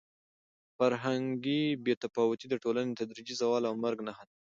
فرهنګي بې تفاوتي د ټولنې د تدریجي زوال او مرګ نښه ده.